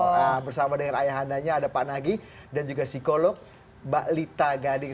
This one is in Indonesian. nah bersama dengan ayah andanya ada pak nagi dan juga psikolog mbak lita gading